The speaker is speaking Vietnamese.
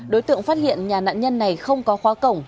đối tượng phát hiện nhà nạn nhân này không có khóa cổng